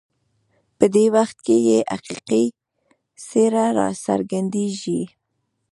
په دې وخت کې یې حقیقي څېره راڅرګندېږي.